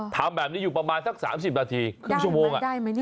ทำแบบนี้อยู่ประมาณสัก๓๐นาทีครึ่งชั่วโมง